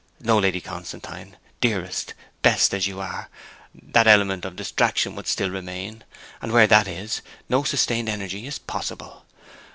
No, Lady Constantine, dearest, best as you are, that element of distraction would still remain, and where that is, no sustained energy is possible.